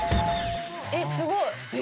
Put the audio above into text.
えっすごい！